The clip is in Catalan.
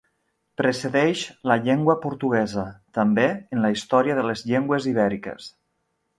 Precedeix la llengua portuguesa, també en la història de les llengües ibèriques.